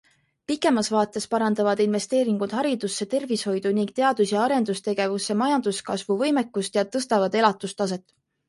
Pikemas vaates parandavad investeeringud haridusse, tervishoidu ning teadus- ja arendustegevusse majanduskasvu võimekust ja tõstavad elatustaset.